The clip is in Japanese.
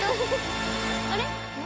あれ？